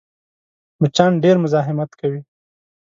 مچان ډېر مزاحمت کوي